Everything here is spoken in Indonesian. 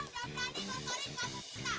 dia udah berani mempori kampung kita